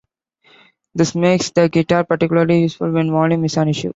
This makes the guitar particularly useful when volume is an issue.